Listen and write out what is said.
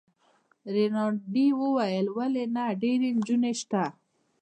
رینالډي وویل: ولي نه، ډیرې نجونې شته.